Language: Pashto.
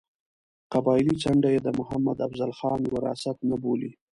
قبایلي څنډه یې د محمد افضل خان وراثت نه بولي.